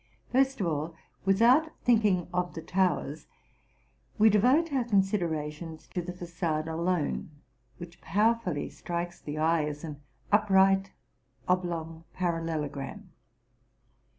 318 TRUTH AND FICTION First of all, without thinking of the towers, we devote our considerations to the fagade alone, which powerfully strikes the eye as an upright, oblong parallelogram.